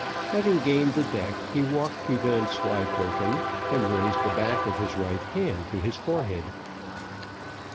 Having gained the deck, he walked to Vanslyperken, and raised the back of his right hand to his forehead.